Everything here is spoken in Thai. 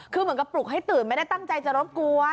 คือเหมือนกับปลุกให้ตื่นไม่ได้ตั้งใจจะรบกวน